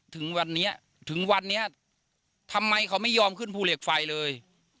ที่วันนี้ทำไมเขาไม่ยอมขึ้นพู่เหล็กไฟเลย